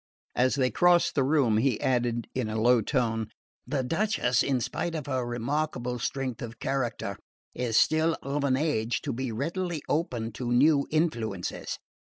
As they crossed the room he added in a low tone: "The Duchess, in spite of her remarkable strength of character, is still of an age to be readily open to new influences.